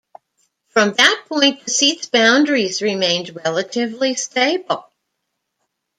From that point, the seat's boundaries remained relatively stable.